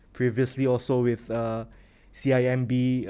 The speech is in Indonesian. sebelumnya juga dengan cimb